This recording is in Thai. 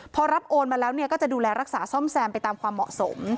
พอรับโอนมาแล้วก็จะดูแลรักษาซ่อมแซมไปตามความเหมาะสม